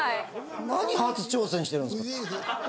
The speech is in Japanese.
何初挑戦してるんですか。